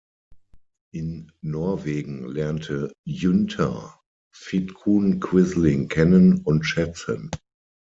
In Norwegen lernte Günther Vidkun Quisling kennen und schätzen.